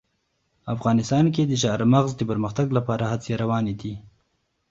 افغانستان کې د چار مغز د پرمختګ لپاره هڅې روانې دي.